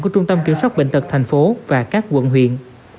của trung tâm kiểm soát bệnh tật thành phố và các quận huyện